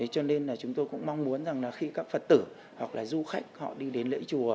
cho nên là chúng tôi cũng mong muốn rằng là khi các phật tử hoặc là du khách họ đi đến lễ chùa